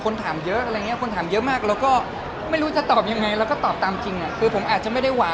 เรามีคนคุยแต่เราก็ไม่เคยเผยว่าเราคุยกับใคร